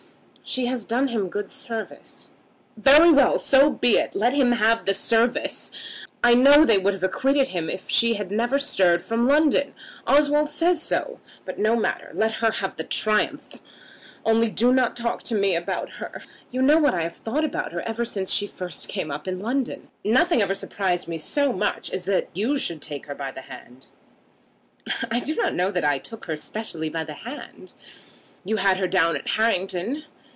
"She has done him good service." "Very well; so be it. Let him have the service. I know they would have acquitted him if she had never stirred from London. Oswald says so. But no matter. Let her have her triumph. Only do not talk to me about her. You know what I have thought about her ever since she first came up in London. Nothing ever surprised me so much as that you should take her by the hand." "I do not know that I took her specially by the hand." "You had her down at Harrington."